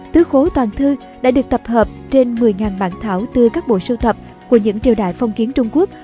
tứ khó toàn thư đã được tập hợp trên một mươi bảng thảo tư các bộ sưu tập của những triều đại phong kiến trung quốc